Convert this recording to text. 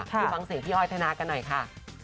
ไปฟังเสียงพี่อ้อยธนากันหน่อยค่ะ